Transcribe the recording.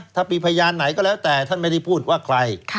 ถ้ามีพยานไหนก็แล้วแต่ท่านไม่ได้พูดว่าใคร